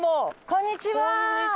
こんにちは！